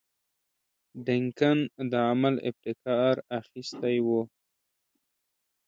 ډنکن د عمل ابتکار اخیستی وو.